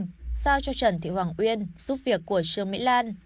giao cho trần thị hoàng uyên giúp việc của trương mỹ lan